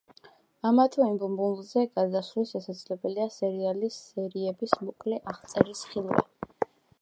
ამა თუ იმ ბმულზე გადასვლით, შესაძლებელია სერიალის სერიების მოკლე აღწერის ხილვა.